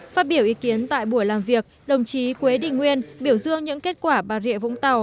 phát biểu ý kiến tại buổi làm việc đồng chí quế đình nguyên biểu dương những kết quả bà rịa vũng tàu